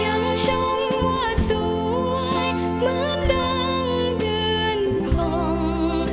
ยังชมว่าสวยเหมือนดังเดือนคง